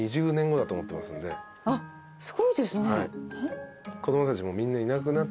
あっすごいですね。